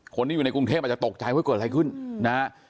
คนที่อยู่ในกรุงเทพอาจจะตกใจว่าเกิดอะไรขึ้นนะฮะ